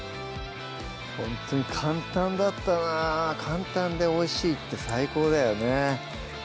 ほんとに簡単だったな簡単でおいしいって最高だよね